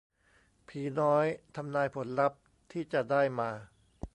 ผีน้อย ทำนายผลลัพท์ที่จะได้มา